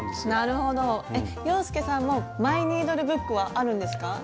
なるほど洋輔さんもＭｙニードルブックはあるんですか？